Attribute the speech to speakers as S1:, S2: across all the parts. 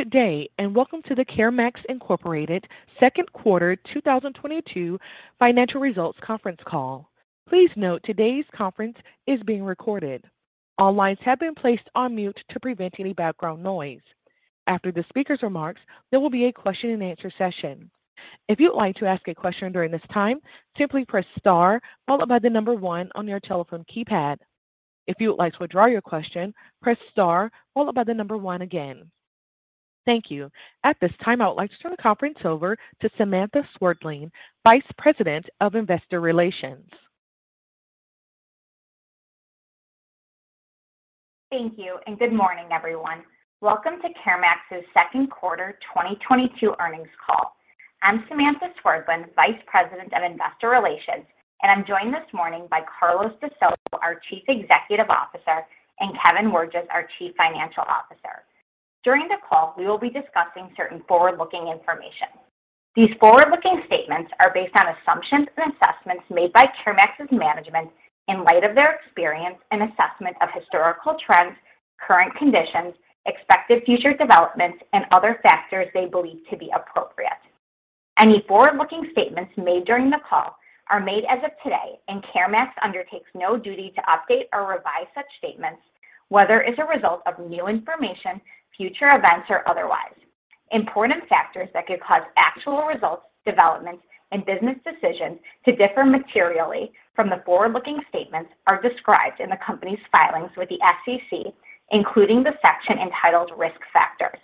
S1: Good day, and welcome to the CareMax, Inc. second quarter 2022 financial results conference call. Please note today's conference is being recorded. All lines have been placed on mute to prevent any background noise. After the speaker's remarks, there will be a question-and-answer session. If you'd like to ask a question during this time, simply press star followed by the number one on your telephone keypad. If you would like to withdraw your question, press star followed by the number one again. Thank you. At this time, I would like to turn the conference over to Samantha Swerdlin, Vice President of Investor Relations.
S2: Thank you, and good morning, everyone. Welcome to CareMax's second quarter 2022 earnings call. I'm Samantha Swerdlin, Vice President of Investor Relations, and I'm joined this morning by Carlos de Solo, our Chief Executive Officer, and Kevin Wirges, our Chief Financial Officer. During the call, we will be discussing certain forward-looking information. These forward-looking statements are based on assumptions and assessments made by CareMax's management in light of their experience and assessment of historical trends, current conditions, expected future developments, and other factors they believe to be appropriate. Any forward-looking statements made during the call are made as of today, and CareMax undertakes no duty to update or revise such statements, whether as a result of new information, future events, or otherwise. Important factors that could cause actual results, developments, and business decisions to differ materially from the forward-looking statements are described in the company's filings with the SEC, including the section entitled Risk Factors.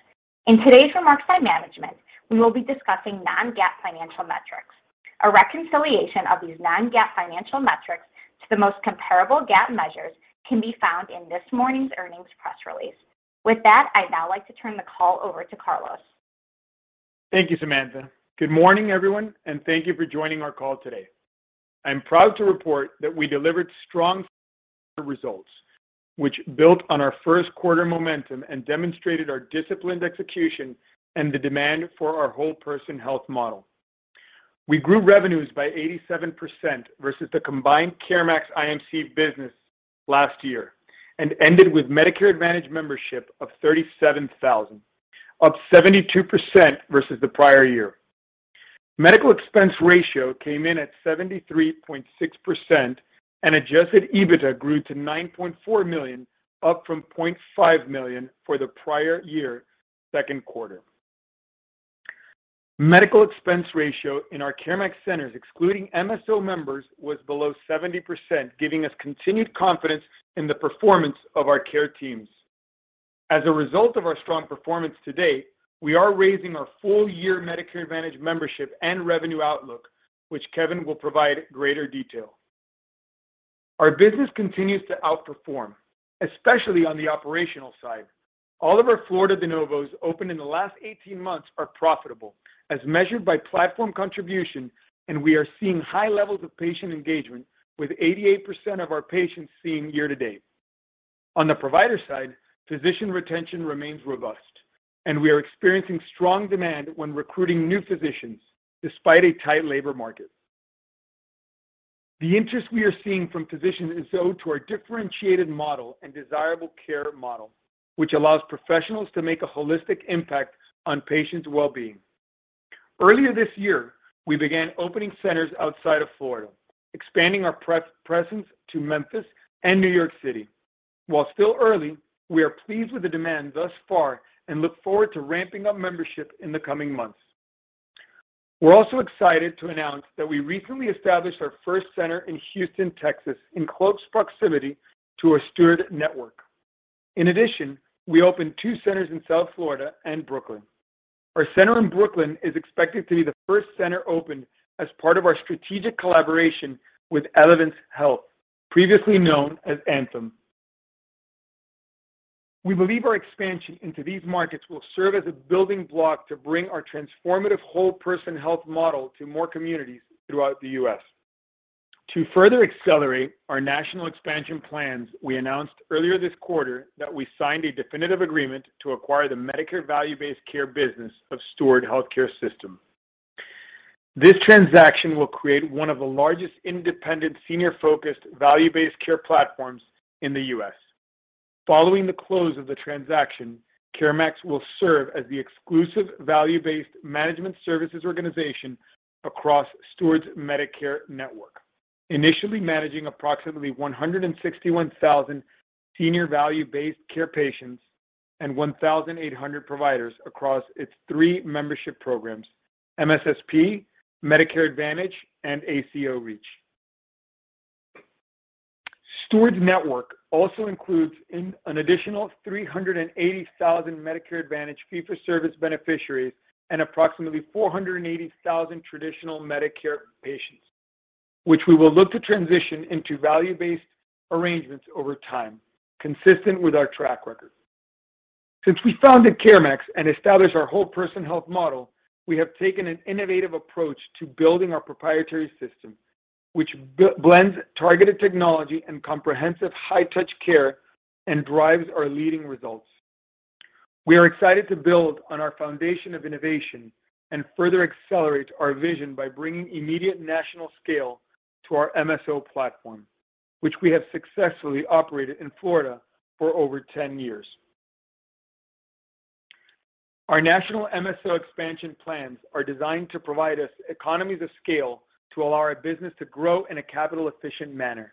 S2: In today's remarks by management, we will be discussing non-GAAP financial metrics. A reconciliation of these non-GAAP financial metrics to the most comparable GAAP measures can be found in this morning's earnings press release. With that, I'd now like to turn the call over to Carlos.
S3: Thank you, Samantha. Good morning, everyone, and thank you for joining our call today. I'm proud to report that we delivered strong results, which built on our first quarter momentum and demonstrated our disciplined execution and the demand for our whole-person health model. We grew revenues by 87% versus the combined CareMax IMC business last year and ended with Medicare Advantage membership of 37,000, up 72% versus the prior year. Medical Expense Ratio came in at 73.6% and Adjusted EBITDA grew to $9.4 million, up from $0.5 million for the prior year second quarter. Medical Expense Ratio in our CareMax centers, excluding MSO members, was below 70%, giving us continued confidence in the performance of our care teams. As a result of our strong performance to date, we are raising our full year Medicare Advantage membership and revenue outlook, which Kevin will provide greater detail. Our business continues to outperform, especially on the operational side. All of our Florida de novos opened in the last 18 months are profitable as measured by Platform Contribution, and we are seeing high levels of patient engagement with 88% of our patients seen year to date. On the provider side, physician retention remains robust, and we are experiencing strong demand when recruiting new physicians despite a tight labor market. The interest we are seeing from physicians is due to our differentiated model and desirable care model, which allows professionals to make a holistic impact on patients' well-being. Earlier this year, we began opening centers outside of Florida, expanding our presence to Memphis and New York City. While still early, we are pleased with the demand thus far and look forward to ramping up membership in the coming months. We're also excited to announce that we recently established our first center in Houston, Texas, in close proximity to our Steward network. In addition, we opened two centers in South Florida and Brooklyn. Our center in Brooklyn is expected to be the first center opened as part of our strategic collaboration with Elevance Health, previously known as Anthem. We believe our expansion into these markets will serve as a building block to bring our transformative whole person health model to more communities throughout the U.S. To further accelerate our national expansion plans, we announced earlier this quarter that we signed a definitive agreement to acquire the Medicare value-based care business of Steward Health Care System. This transaction will create one of the largest independent senior-focused value-based care platforms in the U.S. Following the close of the transaction, CareMax will serve as the exclusive value-based management services organization across Steward's Medicare network, initially managing approximately 161,000 senior value-based care patients and 1,800 providers across its three membership programs, MSSP, Medicare Advantage, and ACO REACH. Steward's network also includes an additional 380,000 Medicare Advantage fee-for-service beneficiaries and approximately 480,000 traditional Medicare patients, which we will look to transition into value-based arrangements over time, consistent with our track record. Since we founded CareMax and established our whole person health model, we have taken an innovative approach to building our proprietary system, which blends targeted technology and comprehensive high touch care and drives our leading results. We are excited to build on our foundation of innovation and further accelerate our vision by bringing immediate national scale to our MSO platform, which we have successfully operated in Florida for over 10 years. Our national MSO expansion plans are designed to provide us economies of scale to allow our business to grow in a capital efficient manner.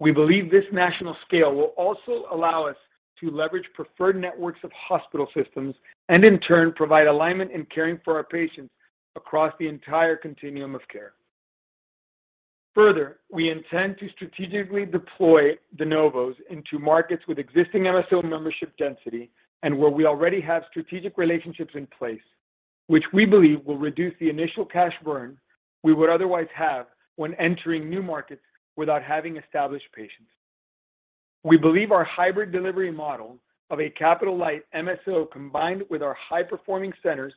S3: We believe this national scale will also allow us to leverage preferred networks of hospital systems and in turn, provide alignment in caring for our patients across the entire continuum of care. Further, we intend to strategically deploy de novos into markets with existing MSO membership density and where we already have strategic relationships in place, which we believe will reduce the initial cash burn we would otherwise have when entering new markets without having established patients. We believe our hybrid delivery model of a capital light MSO, combined with our high-performing centers,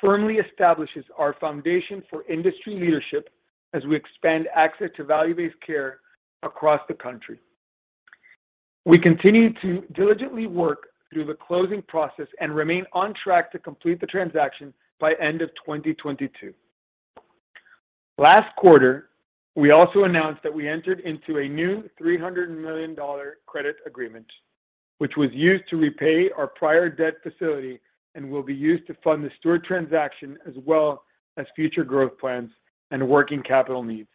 S3: firmly establishes our foundation for industry leadership as we expand access to value-based care across the country. We continue to diligently work through the closing process and remain on track to complete the transaction by end of 2022. Last quarter, we also announced that we entered into a new $300 million credit agreement, which was used to repay our prior debt facility and will be used to fund the Steward transaction as well as future growth plans and working capital needs.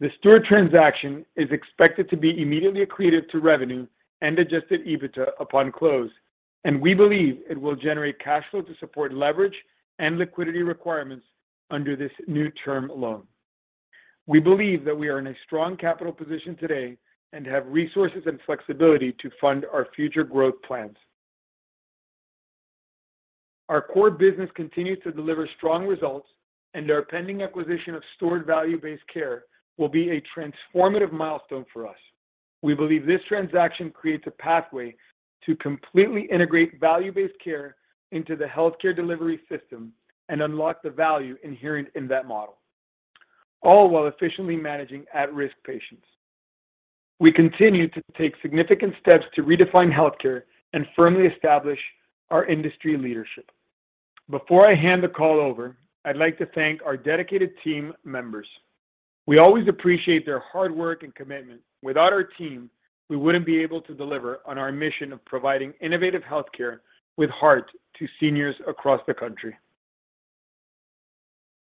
S3: The Steward transaction is expected to be immediately accretive to revenue and Adjusted EBITDA upon close, and we believe it will generate cash flow to support leverage and liquidity requirements under this new term loan. We believe that we are in a strong capital position today and have resources and flexibility to fund our future growth plans. Our core business continues to deliver strong results, and our pending acquisition of Steward value-based care will be a transformative milestone for us. We believe this transaction creates a pathway to completely integrate value-based care into the healthcare delivery system and unlock the value inherent in that model, all while efficiently managing at-risk patients. We continue to take significant steps to redefine healthcare and firmly establish our industry leadership. Before I hand the call over, I'd like to thank our dedicated team members. We always appreciate their hard work and commitment. Without our team, we wouldn't be able to deliver on our mission of providing innovative healthcare with heart to seniors across the country.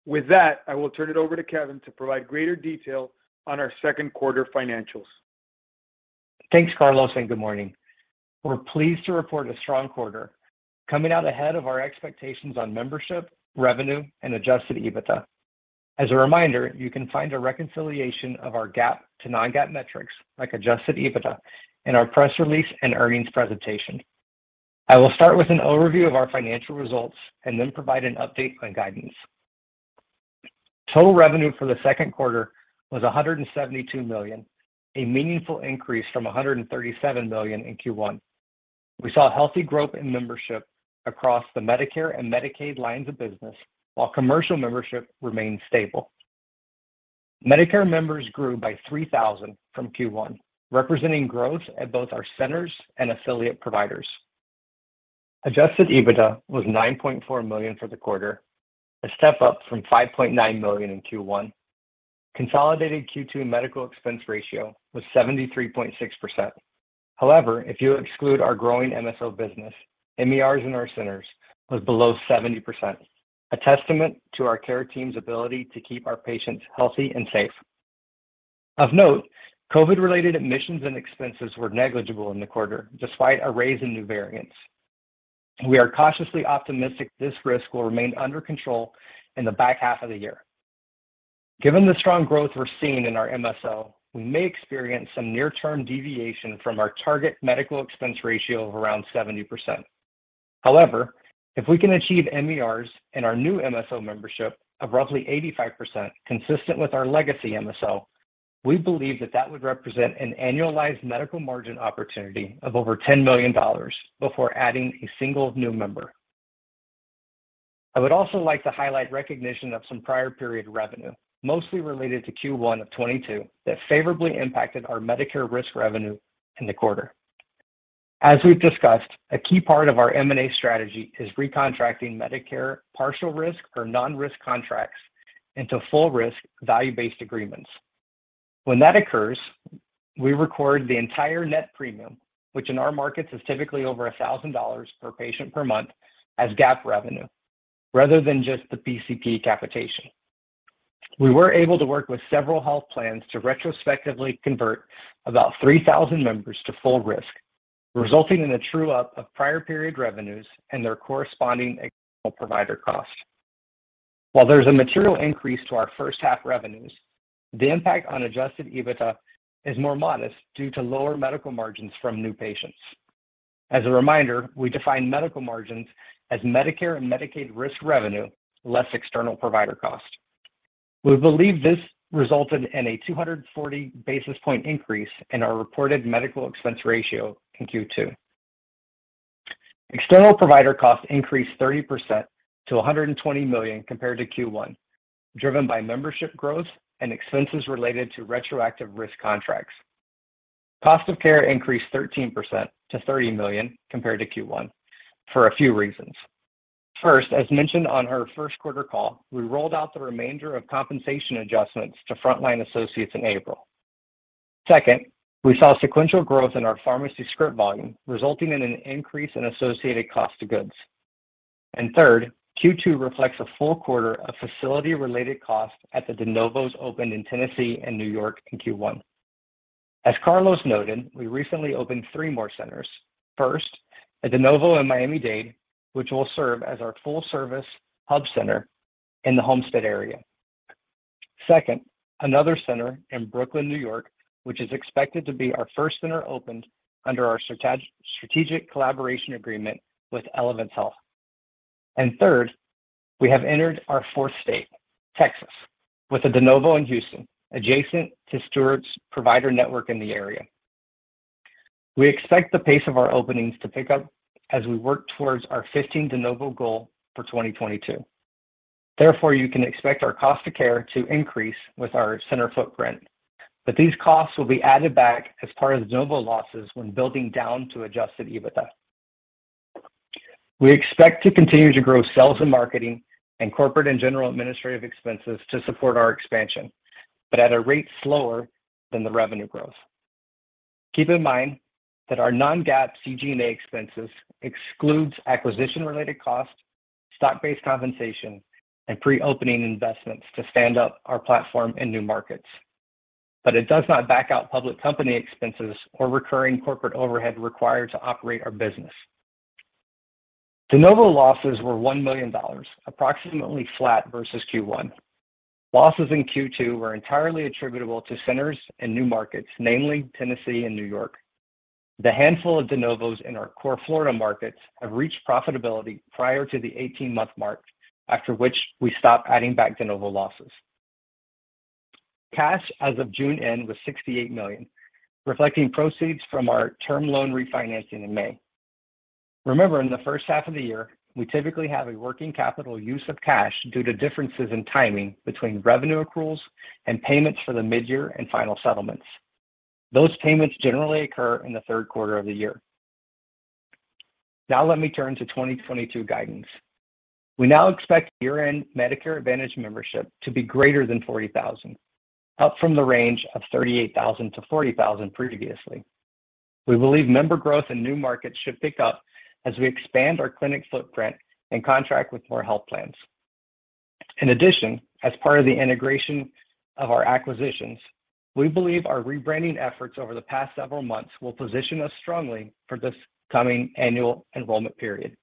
S3: With that, I will turn it over to Kevin to provide greater detail on our second quarter financials.
S4: Thanks, Carlos, and good morning. We're pleased to report a strong quarter, coming out ahead of our expectations on membership, revenue, and Adjusted EBITDA. As a reminder, you can find a reconciliation of our GAAP to non-GAAP metrics, like Adjusted EBITDA, in our press release and earnings presentation. I will start with an overview of our financial results and then provide an update on guidance. Total revenue for the second quarter was $172 million, a meaningful increase from $137 million in Q1. We saw healthy growth in membership across the Medicare and Medicaid lines of business, while commercial membership remained stable. Medicare members grew by 3,000 from Q1, representing growth at both our centers and affiliate providers. Adjusted EBITDA was $9.4 million for the quarter, a step up from $5.9 million in Q1. Consolidated Q2 medical expense ratio was 73.6%. However, if you exclude our growing MSO business, MERs in our centers was below 70%, a testament to our care team's ability to keep our patients healthy and safe. Of note, COVID-related admissions and expenses were negligible in the quarter, despite a raise in new variants. We are cautiously optimistic this risk will remain under control in the back half of the year. Given the strong growth we're seeing in our MSO, we may experience some near-term deviation from our target medical expense ratio of around 70%. However, if we can achieve MERs in our new MSO membership of roughly 85% consistent with our legacy MSO, we believe that that would represent an annualized medical margin opportunity of over $10 million before adding a single new member. I would also like to highlight recognition of some prior period revenue, mostly related to Q1 of 2022, that favorably impacted our Medicare risk revenue in the quarter. As we've discussed, a key part of our M&A strategy is re-contracting Medicare partial risk or non-risk contracts into full risk value-based agreements. When that occurs, we record the entire net premium, which in our markets is typically over $1,000 per patient per month as GAAP revenue rather than just the PCP capitation. We were able to work with several health plans to retrospectively convert about 3,000 members to full risk, resulting in a true up of prior period revenues and their corresponding external provider cost. While there's a material increase to our first half revenues, the impact on Adjusted EBITDA is more modest due to lower medical margins from new patients. As a reminder, we define medical margins as Medicare and Medicaid risk revenue less external provider cost. We believe this resulted in a 240 basis point increase in our reported medical expense ratio in Q2. External provider cost increased 30% to $120 million compared to Q1, driven by membership growth and expenses related to retroactive risk contracts. Cost of care increased 13% to $30 million compared to Q1 for a few reasons. First, as mentioned on our first quarter call, we rolled out the remainder of compensation adjustments to frontline associates in April. Second, we saw sequential growth in our pharmacy script volume, resulting in an increase in associated cost of goods. Third, Q2 reflects a full quarter of facility-related costs at the de novos opened in Tennessee and New York in Q1. As Carlos noted, we recently opened three more centers. First, a de novo in Miami-Dade, which will serve as our full-service hub center in the Homestead area. Second, another center in Brooklyn, New York, which is expected to be our first center opened under our strategic collaboration agreement with Elevance Health. Third, we have entered our fourth state, Texas, with a de novo in Houston, adjacent to Steward's provider network in the area. We expect the pace of our openings to pick up as we work towards our 15 de novo goal for 2022. Therefore, you can expect our cost of care to increase with our center footprint, but these costs will be added back as part of de novo losses when building down to Adjusted EBITDA. We expect to continue to grow sales and marketing and corporate and general administrative expenses to support our expansion, but at a rate slower than the revenue growth. Keep in mind that our non-GAAP CG&A expenses excludes acquisition-related costs, stock-based compensation, and pre-opening investments to stand up our platform in new markets. It does not back out public company expenses or recurring corporate overhead required to operate our business. De novo losses were $1 million, approximately flat versus Q1. Losses in Q2 were entirely attributable to centers in new markets, namely Tennessee and New York. The handful of de novos in our core Florida markets have reached profitability prior to the 18-month mark, after which we stopped adding back de novo losses. Cash as of June end was $68 million, reflecting proceeds from our term loan refinancing in May. Remember, in the first half of the year, we typically have a working capital use of cash due to differences in timing between revenue accruals and payments for the mid-year and final settlements. Those payments generally occur in the third quarter of the year. Now let me turn to 2022 guidance. We now expect year-end Medicare Advantage membership to be greater than 40,000, up from the range of 38,000-40,000 previously. We believe member growth in new markets should pick up as we expand our clinic footprint and contract with more health plans. In addition, as part of the integration of our acquisitions, we believe our rebranding efforts over the past several months will position us strongly for this coming annual enrollment period.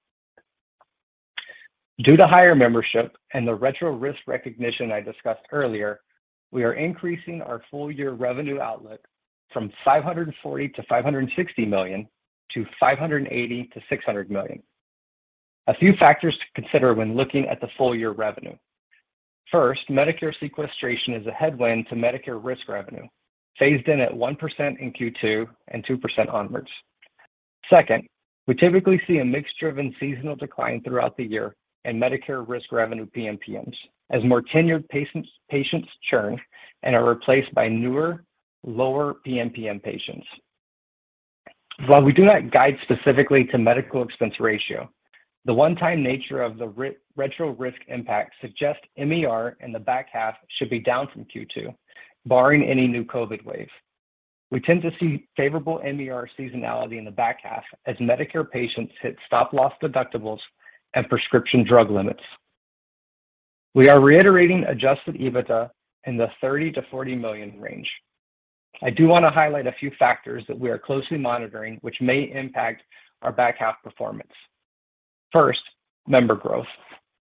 S4: Due to higher membership and the retro risk recognition I discussed earlier, we are increasing our full year revenue outlook from $540 million-$560 million to $580 million-$600 million. A few factors to consider when looking at the full year revenue. First, Medicare sequestration is a headwind to Medicare risk revenue, phased in at 1% in Q2 and 2% onward. Second, we typically see a mix-driven seasonal decline throughout the year in Medicare risk revenue PMPMs as more tenured patients churn and are replaced by newer, lower PMPM patients. While we do not guide specifically to medical expense ratio, the one-time nature of the retro risk impact suggests MER in the back half should be down from Q2, barring any new COVID wave. We tend to see favorable MER seasonality in the back half as Medicare patients hit stop-loss deductibles and prescription drug limits. We are reiterating Adjusted EBITDA in the $30 million-$40 million range. I do want to highlight a few factors that we are closely monitoring, which may impact our back half performance. First, member growth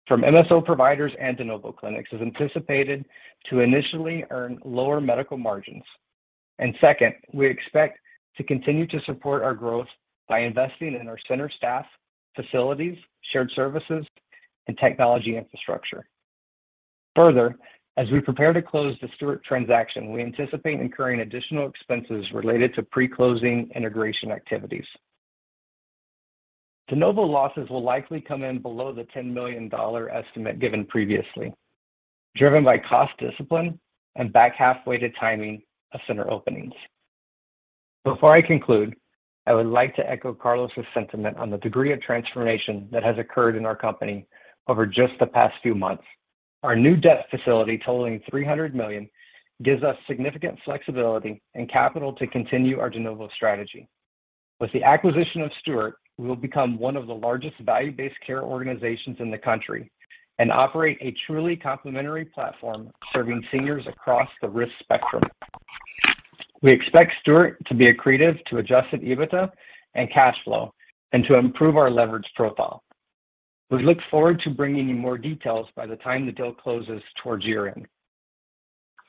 S4: from MSO providers and de novo clinics is anticipated to initially earn lower medical margins. Second, we expect to continue to support our growth by investing in our center staff, facilities, shared services, and technology infrastructure. Further, as we prepare to close the Steward transaction, we anticipate incurring additional expenses related to pre-closing integration activities. De novo losses will likely come in below the $10 million estimate given previously, driven by cost discipline and back-half weighted timing of center openings. Before I conclude, I would like to echo Carlos's sentiment on the degree of transformation that has occurred in our company over just the past few months. Our new debt facility totaling $300 million gives us significant flexibility and capital to continue our de novo strategy. With the acquisition of Steward, we will become one of the largest value-based care organizations in the country and operate a truly complementary platform serving seniors across the risk spectrum. We expect Steward to be accretive to Adjusted EBITDA and cash flow and to improve our leverage profile. We look forward to bringing you more details by the time the deal closes towards year-end.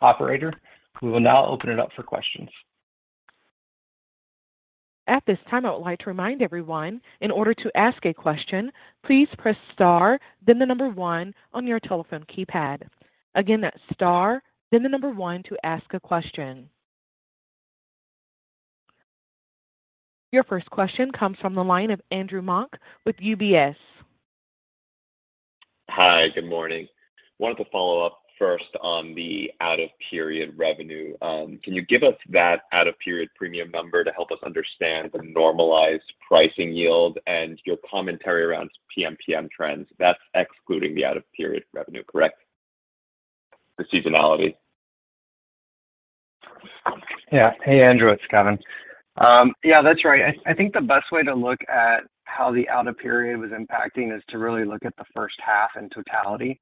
S4: Operator, we will now open it up for questions.
S1: At this time, I would like to remind everyone, in order to ask a question, please press star, then one on your telephone keypad. Again, that's star, then one to ask a question. Your first question comes from the line of Andy Mok with UBS.
S5: Hey, good morning. Wanted to follow up first on the out-of-period revenue. Can you give us that out-of-period premium number to help us understand the normalized pricing yield and your commentary around PMPM trends? That's excluding the out-of-period revenue, correct? The seasonality.
S4: Hey Andy, it's Kevin. Yeah, that's right. I think the best way to look at how the out-of-period was impacting is to really look at the first half in totality.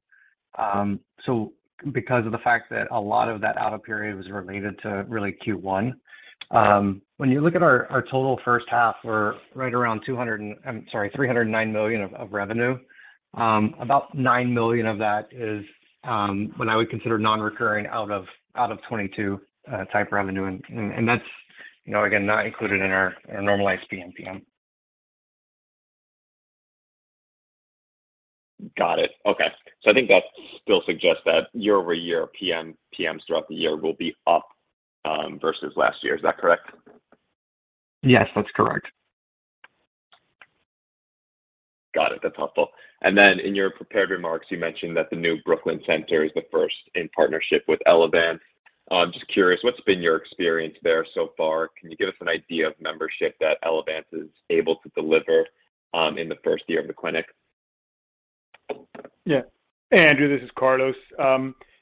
S4: Because of the fact that a lot of that out-of-period was related to really Q1, when you look at our total first half, we're right around $309 million of revenue. About $9 million of that is what I would consider non-recurring out of 2022 type revenue. That's, you know, again, not included in our normalized PMPM.
S5: Got it. Okay. I think that still suggests that year-over-year PMPMs throughout the year will be up, versus last year. Is that correct?
S4: Yes, that's correct.
S5: Got it. That's helpful. In your prepared remarks, you mentioned that the new Brooklyn center is the first in partnership with Elevance. I'm just curious, what's been your experience there so far? Can you give us an idea of membership that Elevance is able to deliver in the first year of the clinic?
S3: Yeah. Andy, this is Carlos.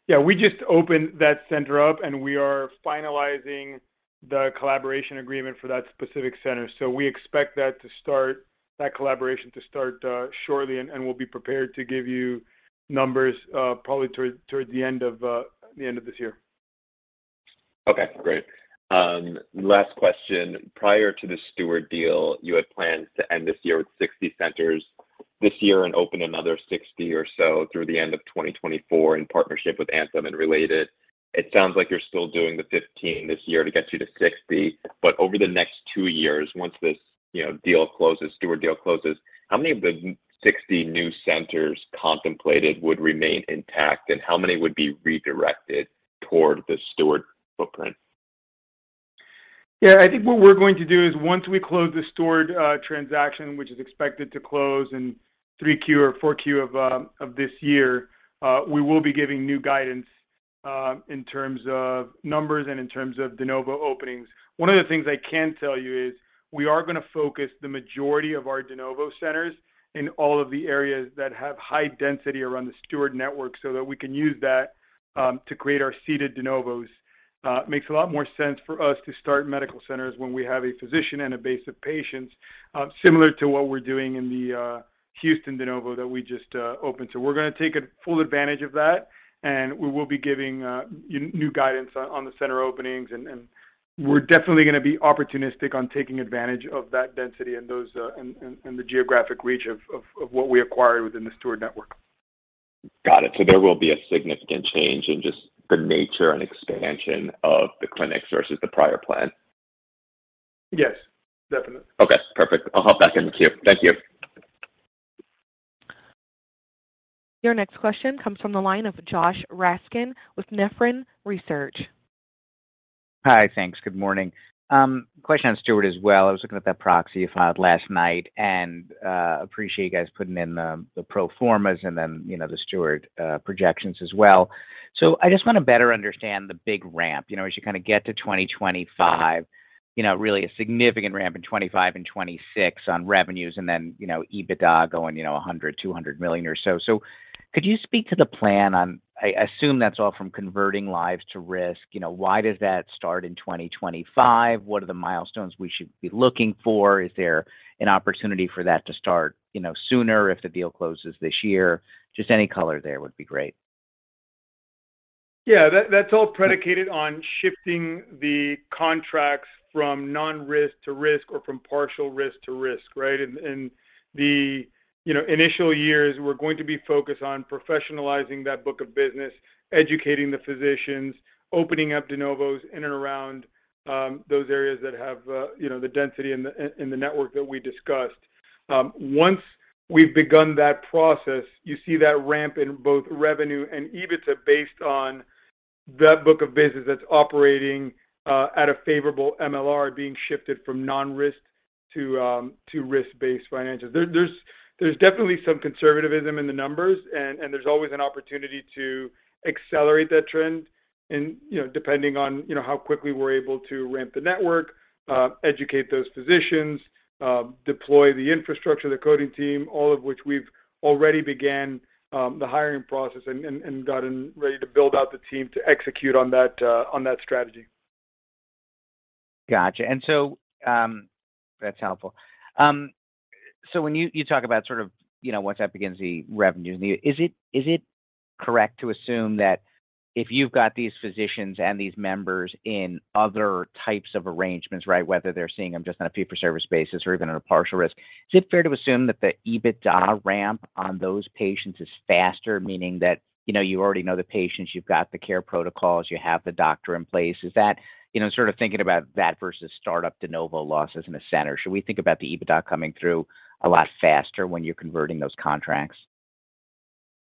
S3: Yeah, we just opened that center up, and we are finalizing the collaboration agreement for that specific center. We expect that collaboration to start shortly, and we'll be prepared to give you numbers probably toward the end of this year.
S5: Okay, great. Last question. Prior to the Steward deal, you had planned to end this year with 60 centers this year and open another 60 or so through the end of 2024 in partnership with Anthem and Related. It sounds like you're still doing the 15 this year to get you to 60. Over the next two years, once this, you know, deal closes, Steward deal closes, how many of the 60 new centers contemplated would remain intact, and how many would be redirected toward the Steward footprint?
S3: Yeah. I think what we're going to do is once we close the Steward transaction, which is expected to close in Q3 or Q4 of this year, we will be giving new guidance in terms of numbers and in terms of de novo openings. One of the things I can tell you is we are gonna focus the majority of our de novo centers in all of the areas that have high density around the Steward network so that we can use that to create our seeded de novos. Makes a lot more sense for us to start medical centers when we have a physician and a base of patients similar to what we're doing in the Houston de novo that we just opened. We're gonna take full advantage of that, and we will be giving new guidance on the center openings. We're definitely gonna be opportunistic on taking advantage of that density and those and the geographic reach of what we acquire within the Steward network.
S5: Got it. There will be a significant change in just the nature and expansion of the clinic versus the prior plan.
S3: Yes, definitely.
S5: Okay, perfect. I'll hop back in the queue. Thank you.
S1: Your next question comes from the line of Joshua Raskin with Nephron Research.
S6: Hi. Thanks. Good morning. Question on Steward as well. I was looking at that proxy you filed last night and appreciate you guys putting in the pro formas and then, you know, the Steward projections as well. I just wanna better understand the big ramp, you know, as you kinda get to 2025. You know, really a significant ramp in 2025 and 2026 on revenues and then, you know, EBITDA going, you know, $100 million-$200 million or so. Could you speak to the plan. I assume that's all from converting lives to risk. You know, why does that start in 2025? What are the milestones we should be looking for? Is there an opportunity for that to start, you know, sooner if the deal closes this year? Just any color there would be great.
S3: Yeah, that's all predicated on shifting the contracts from non-risk to risk or from partial risk to risk, right? In the, you know, initial years, we're going to be focused on professionalizing that book of business, educating the physicians, opening up de novos in and around those areas that have, you know, the density in the network that we discussed. Once we've begun that process, you see that ramp in both revenue and EBITDA based on that book of business that's operating at a favorable MLR being shifted from non-risk to risk-based financials. There's definitely some conservatism in the numbers, and there's always an opportunity to accelerate that trend, you know, depending on, you know, how quickly we're able to ramp the network, educate those physicians, deploy the infrastructure, the coding team, all of which we've already began the hiring process and gotten ready to build out the team to execute on that strategy.
S6: Gotcha. That's helpful. When you talk about sort of, you know, once that begins the revenues, is it correct to assume that if you've got these physicians and these members in other types of arrangements, right, whether they're seeing them just on a fee-for-service basis or even on a partial risk, is it fair to assume that the EBITDA ramp on those patients is faster, meaning that, you know, you already know the patients, you've got the care protocols, you have the doctor in place? Is that, you know, sort of thinking about that versus startup de novo losses in a center, should we think about the EBITDA coming through a lot faster when you're converting those contracts?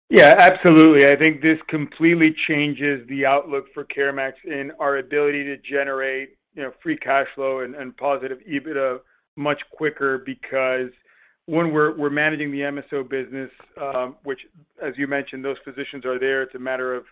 S3: Yeah, absolutely. I think this completely changes the outlook for CareMax and our ability to generate, you know, free cash flow and positive EBITDA much quicker because one, we're managing the MSO business, which as you mentioned, those physicians are there. It's a matter of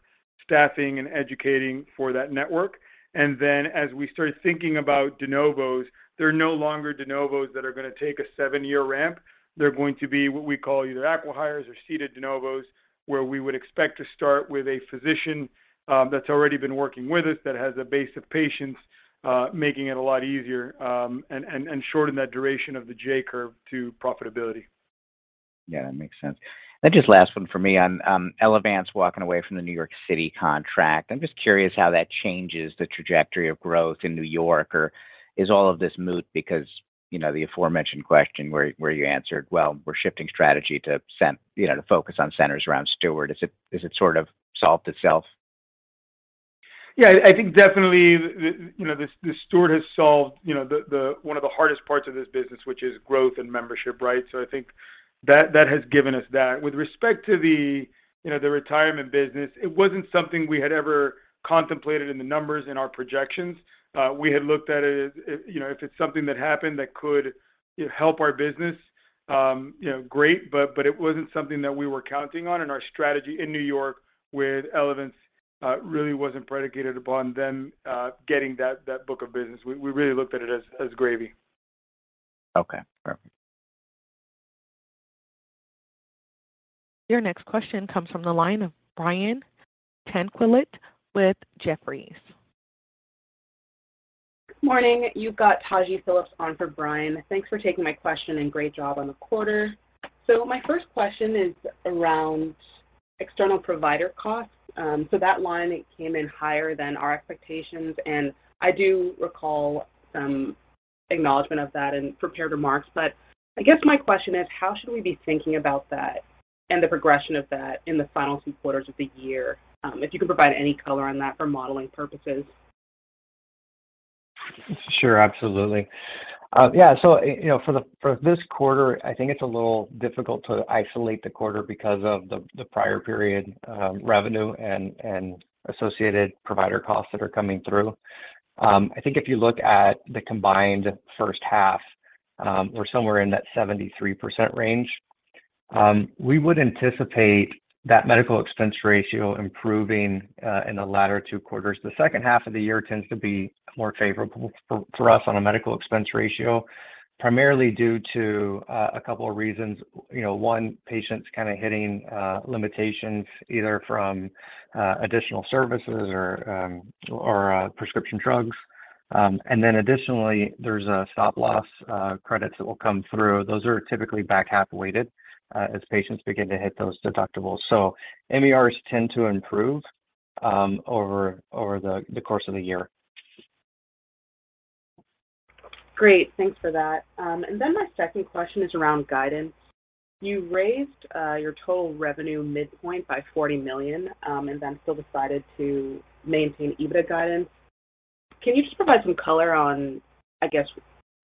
S3: staffing and educating for that network. As we start thinking about de novos, they're no longer de novos that are gonna take a seven-year ramp. They're going to be what we call either acqui-hires or seeded de novos, where we would expect to start with a physician that's already been working with us, that has a base of patients, making it a lot easier and shorten that duration of the J-curve to profitability.
S6: Yeah, that makes sense. Just last one for me on Elevance walking away from the New York City contract. I'm just curious how that changes the trajectory of growth in New York. Or is all of this moot because, you know, the aforementioned question where you answered, "Well, we're shifting strategy to focus on centers around Steward." Is it sort of solved itself?
S3: I think definitely you know the Steward has solved you know the one of the hardest parts of this business, which is growth and membership, right? I think that has given us that. With respect to the retirement business, it wasn't something we had ever contemplated in the numbers in our projections. We had looked at it as you know if it's something that happened that could you know help our business you know great, but it wasn't something that we were counting on in our strategy in New York with Elevance, really wasn't predicated upon them getting that book of business. We really looked at it as gravy.
S6: Okay. Perfect.
S1: Your next question comes from the line of Brian Tanquilut with Jefferies.
S7: Good morning. You've got Taji Phillips on for Brian. Thanks for taking my question, and great job on the quarter. My first question is around external provider costs. That line came in higher than our expectations, and I do recall some acknowledgment of that in prepared remarks. I guess my question is, how should we be thinking about that and the progression of that in the final two quarters of the year? If you can provide any color on that for modeling purposes.
S4: Sure. Absolutely. Yeah, so, you know, for this quarter, I think it's a little difficult to isolate the quarter because of the prior period revenue and associated provider costs that are coming through. I think if you look at the combined first half, we're somewhere in that 73% range. We would anticipate that Medical Expense Ratio improving in the latter two quarters. The second half of the year tends to be more favorable for us on a Medical Expense Ratio, primarily due to a couple of reasons. You know, one, patients kinda hitting limitations either from additional services or prescription drugs. And then additionally, there's stop-loss credits that will come through. Those are typically back half weighted as patients begin to hit those deductibles. MERs tend to improve over the course of the year.
S7: Great. Thanks for that. My second question is around guidance. You raised your total revenue midpoint by $40 million, and then still decided to maintain EBITDA guidance. Can you just provide some color on, I guess,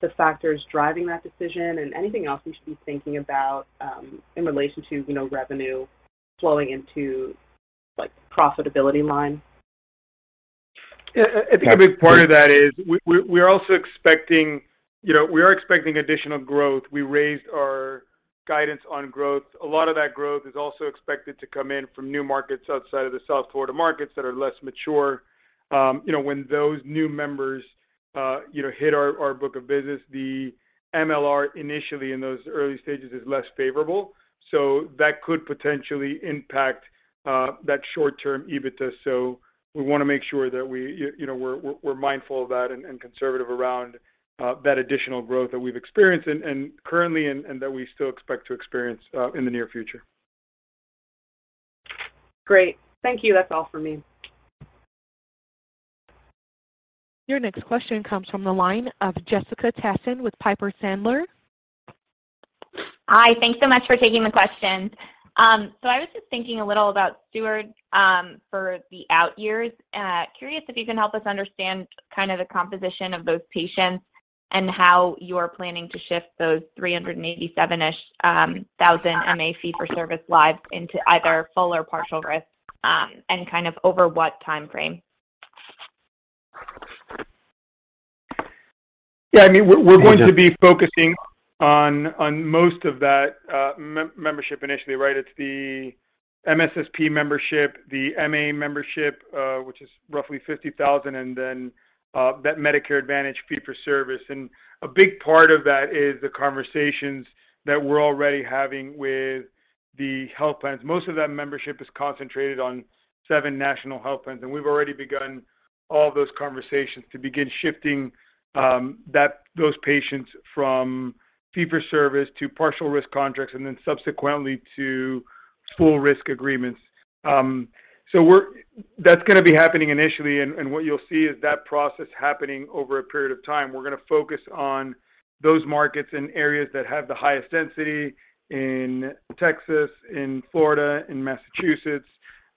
S7: the factors driving that decision and anything else we should be thinking about, in relation to, you know, revenue flowing into, like, profitability line?
S3: Yeah. I think a big part of that is we are also expecting, you know, additional growth. We raised our guidance on growth. A lot of that growth is also expected to come in from new markets outside of the South Florida markets that are less mature. You know, when those new members, you know, hit our book of business, the MLR initially in those early stages is less favorable. That could potentially impact that short-term EBITDA. We wanna make sure that, you know, we are mindful of that and conservative around that additional growth that we've experienced and currently and that we still expect to experience in the near future.
S7: Great. Thank you. That's all for me.
S1: Your next question comes from the line of Jessica Tassan with Piper Sandler.
S8: Hi. Thanks so much for taking the question. I was just thinking a little about Steward, for the out years. Curious if you can help us understand kind of the composition of those patients and how you're planning to shift those 387,000-ish MA fee for service lives into either full or partial risk, and kind of over what timeframe.
S3: Yeah. I mean, we're going to be focusing on most of that membership initially, right? It's the MSSP membership, the MA membership, which is roughly 50,000, and then that Medicare Advantage fee for service. A big part of that is the conversations that we're already having with the health plans. Most of that membership is concentrated on seven national health plans, and we've already begun all those conversations to begin shifting those patients from fee for service to partial risk contracts and then subsequently to full risk agreements. That's gonna be happening initially, and what you'll see is that process happening over a period of time. We're gonna focus on those markets in areas that have the highest density in Texas, in Florida, in Massachusetts,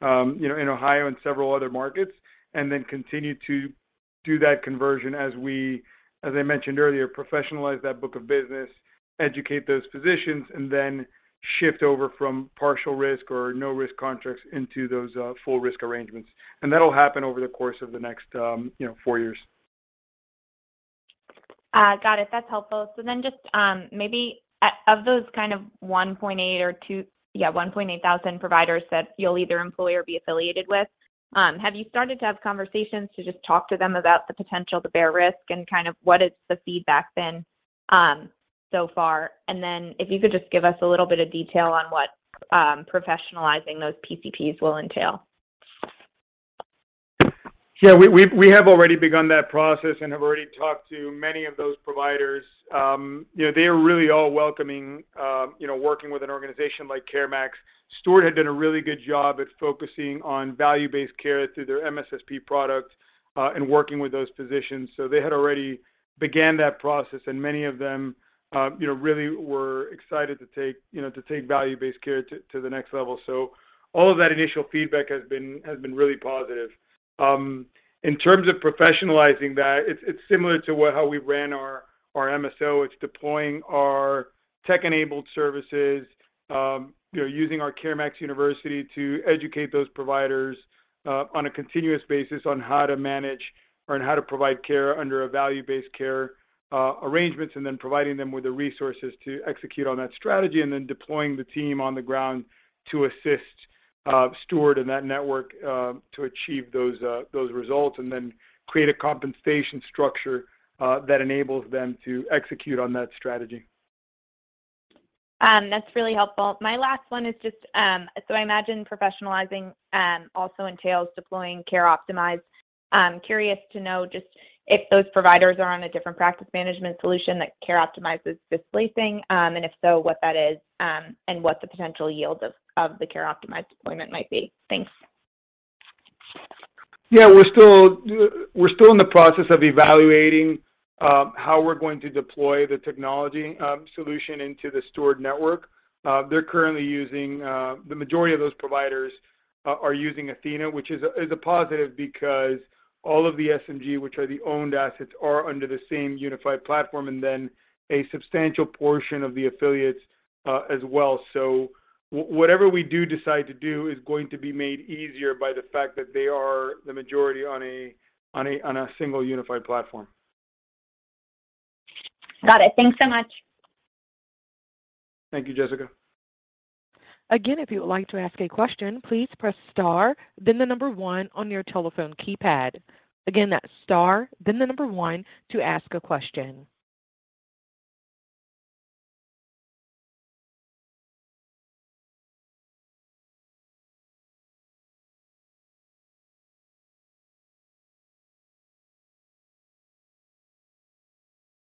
S3: you know, in Ohio and several other markets, and then continue to do that conversion as we, as I mentioned earlier, professionalize that book of business, educate those physicians, and then shift over from partial risk or no risk contracts into those, full risk arrangements. That'll happen over the course of the next, you know, four years.
S8: Got it. That's helpful. Just maybe of those kind of 1,800 or 2,000 providers that you'll either employ or be affiliated with, have you started to have conversations to just talk to them about the potential to bear risk, and kind of what has the feedback been so far? If you could just give us a little bit of detail on what professionalizing those PCPs will entail.
S3: Yeah. We have already begun that process and have already talked to many of those providers. You know, they are really all welcoming, you know, working with an organization like CareMax. Steward had done a really good job at focusing on value-based care through their MSSP product and working with those physicians. They had already began that process, and many of them, you know, really were excited to take value-based care to the next level. All of that initial feedback has been really positive. In terms of professionalizing that, it's similar to how we ran our MSO. It's deploying our tech-enabled services, you know, using our CareMax University to educate those providers on a continuous basis on how to manage or on how to provide care under a value-based care arrangements, and then providing them with the resources to execute on that strategy, and then deploying the team on the ground to assist Steward and that network to achieve those results, and then create a compensation structure that enables them to execute on that strategy.
S8: That's really helpful. My last one is just, I imagine professionalizing also entails deploying CareOptimize. I'm curious to know just if those providers are on a different practice management solution that CareOptimize is displacing, and if so, what that is, and what the potential yield of the CareOptimize deployment might be. Thanks.
S3: Yeah. We're still in the process of evaluating how we're going to deploy the technology solution into the Steward network. They're currently using the majority of those providers are using athenahealth, which is a positive because all of the SMG, which are the owned assets, are under the same unified platform and then a substantial portion of the affiliates as well. Whatever we do decide to do is going to be made easier by the fact that they are the majority on a single unified platform.
S8: Got it. Thanks so much.
S3: Thank you, Jessica.
S1: Again, if you would like to ask a question, please press star, then the number one on your telephone keypad. Again, that's star, then the number one to ask a question.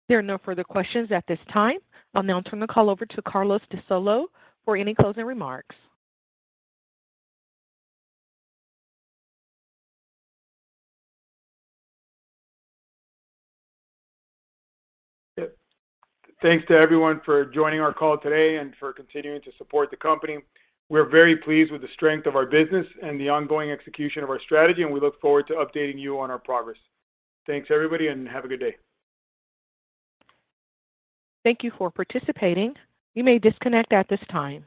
S1: There are no further questions at this time. I'll now turn the call over to Carlos de Solo for any closing remarks.
S3: Yeah. Thanks to everyone for joining our call today and for continuing to support the company. We're very pleased with the strength of our business and the ongoing execution of our strategy, and we look forward to updating you on our progress. Thanks, everybody, and have a good day.
S1: Thank you for participating. You may disconnect at this time.